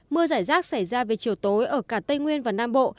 mưa giải rác xảy ra về chiều tối ở cả tây nguyên và nam bộ